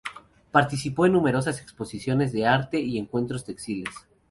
Participó en numerosas exposiciones de arte y encuentros textiles.